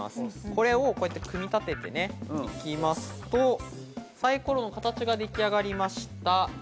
これを組み立てていきますと、サイコロの形ができ上がりました。